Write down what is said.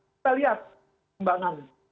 kita lihat kembangan